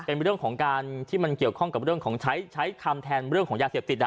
เป็นเรื่องของการที่มันเกี่ยวข้องกับเรื่องของใช้คำแทนเรื่องของยาเสพติด